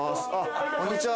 こんにちは！